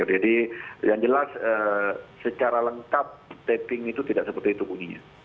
jadi yang jelas secara lengkap taping itu tidak seperti itu bunyinya